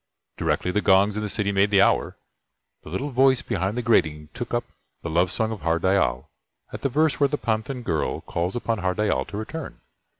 Directly the gongs in the City made the hour, the little voice behind the grating took up "The Love Song of Har Dyal" at the verse where the Panthan girl calls upon Har Dyal to return.